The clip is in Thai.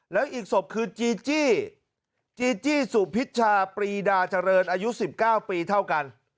แล้วอีกศพคือจีจี้จีจี้สุพิชชาปรีดาเจริญอายุ๑๙ปีเท่ากัน